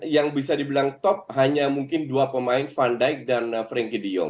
yang bisa dibilang top hanya mungkin dua pemain van dijk dan frenkie de jong